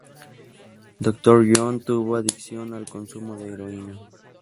Dr. John tuvo adicción al consumo de heroína.